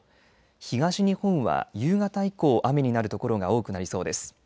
東日本は夕方以降雨になる所が多くなりそうです。